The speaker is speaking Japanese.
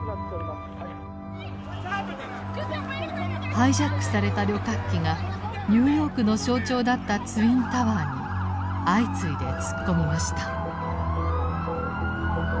ハイジャックされた旅客機がニューヨークの象徴だったツインタワーに相次いで突っ込みました。